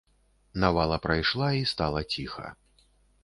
Навала прайшла, і стала ціха.